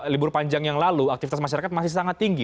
libur panjang yang lalu aktivitas masyarakat masih sangat tinggi